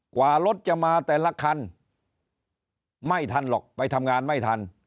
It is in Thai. กว่ารถจะมาแต่ละคันไม่ทันหรอกไปทำงานไม่ทัน